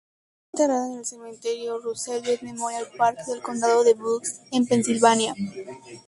Fue enterrada en el Cementerio Roosevelt Memorial Park del Condado de Bucks, en Pensilvania.